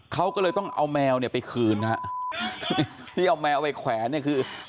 เขาก็เลยต้องเอาแมวเนี่ยไปคืนฮะที่เอาแมวไปแขวนเนี่ยคือ